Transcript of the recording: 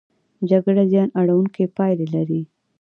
جګړه زیان اړوونکې پایلې لري.